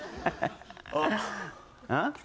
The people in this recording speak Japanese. あっ。